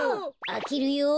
あけるよ。